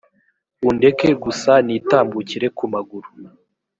undeke gusa nitambukire ku maguru